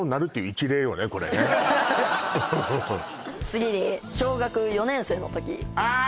次に小学４年生の時あー